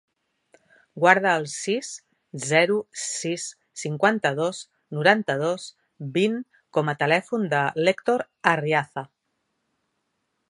Guarda el sis, zero, sis, cinquanta-dos, noranta-dos, vint com a telèfon de l'Hèctor Arriaza.